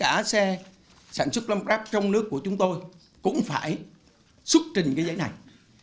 giấy chứng nhận kiểu loại cho xe nhập khẩu và xe sản xuất lắp rác trong nước của chúng tôi cũng phải xuất trình cái giấy này